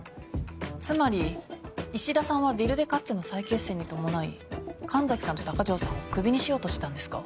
つまり衣氏田さんはＷＩＬＤＥＫＡＴＺＥの再結成に伴い神崎さんと高城さんをクビにしようとしてたんですか？